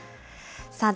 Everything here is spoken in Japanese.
さあ、